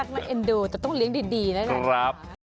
แต่ต้องริ้งดีได้จริงแต่ฮ่า